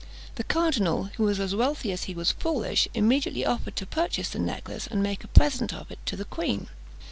The cardinal, who was as wealthy as he was foolish, immediately offered to purchase the necklace, and make a present of it to the queen.